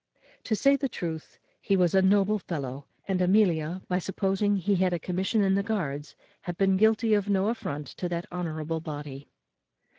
To say the truth, he was a noble fellow; and Amelia, by supposing he had a commission in the guards, had been guilty of no affront to that honourable body.